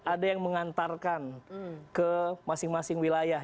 ada yang mengantarkan ke masing masing wilayah